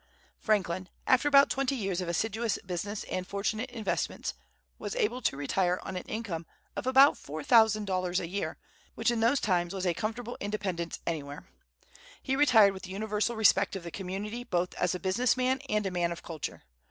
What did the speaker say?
Franklin, after twenty years of assiduous business and fortunate investments, was able to retire on an income of about four thousand dollars a year, which in those times was a comfortable independence anywhere. He retired with the universal respect of the community both as a business man and a man of culture.